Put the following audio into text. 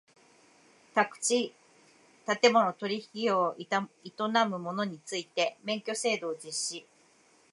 宅地建物取引業を営む者について免許制度を実施